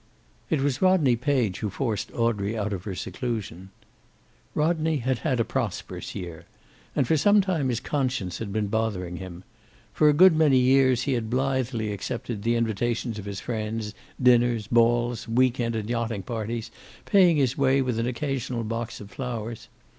It was Rodney Page who forced Audrey out of her seclusion. Rodney had had a prosperous year, and for some time his conscience had been bothering him. For a good many years he had blithely accepted the invitations of his friends dinners, balls, week end and yachting parties, paying his way with an occasional box of flowers.